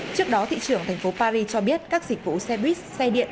trước đó thị trưởng thành phố paris cho biết các dịch vụ xe buýt xe điện